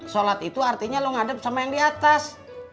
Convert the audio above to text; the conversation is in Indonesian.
sholat itu artinya lo ngadep sama yang di atas